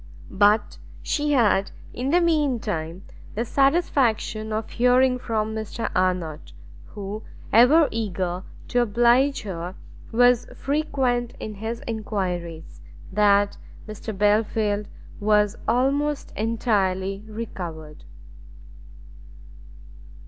But she had, in the mean time, the satisfaction of hearing from Mr Arnott, who, ever eager to oblige her, was frequent in his enquiries, that Mr Belfield was almost entirely recovered.